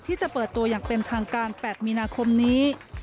ที่จะเปิดตัวอย่างเป็นทางการ๘มีนาคมนี้